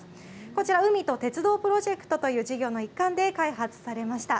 こちら、海と鉄道プロジェクトという事業の一環で開発されました。